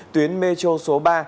tuyến mê chô số ba